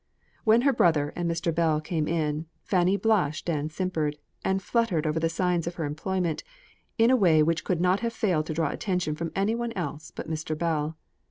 When her brother and Mr. Bell came in, Fanny blushed and simpered, and fluttered over the signs of her employment, in a way which could not have failed to draw attention from any one else but Mr. Bell.